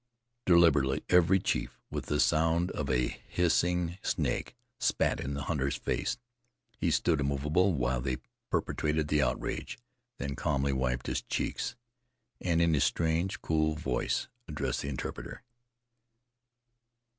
Deliberately every chief, with the sound of a hissing snake, spat in the hunter's face. He stood immovable while they perpetrated the outrage, then calmly wiped his cheeks, and in his strange, cool voice, addressed the interpreter.